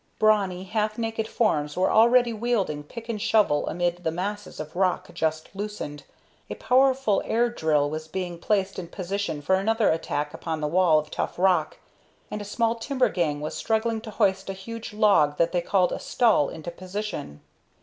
Brawny, half naked forms were already wielding pick and shovel amid the masses of rock just loosened, a powerful air drill was being placed in position for another attack upon the wall of tough rock, and a small timber gang was struggling to hoist a huge log that they called a "stull" into position.